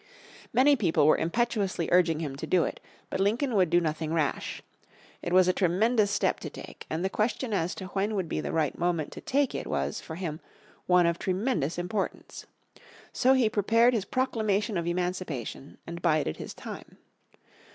Many people were impetuously urging him to do it. But Lincoln would do nothing rash. It was a tremendous step to take, and the question as to when would be the right moment to take it was, for him, one of tremendous importance. So he prepared his Proclamation of Emancipation and bided his time.